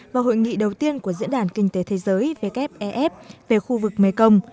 và hội nghị đầu tiên của diễn đàn kinh tế thế giới wef về khu vực mekong